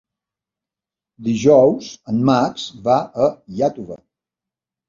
Dijous en Max va a Iàtova.